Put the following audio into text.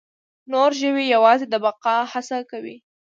نور ژوي یواځې د بقا هڅه کوي.